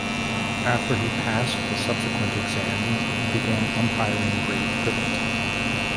After he passed the subsequent exam he began umpiring grade cricket.